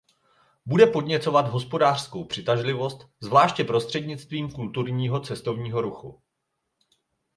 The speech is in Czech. Bude podněcovat hospodářskou přitažlivost, zvláště prostřednictvím kulturního cestovního ruchu.